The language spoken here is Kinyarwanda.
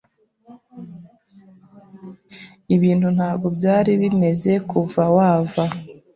Ibintu ntabwo byari bimeze kuva wava.